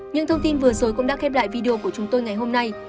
những thông tin vừa rồi cũng đã khép lại video của chúng tôi ngày hôm nay